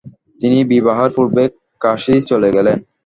তিনি বিবাহের পূর্বেই কাশী চলে গেছেন।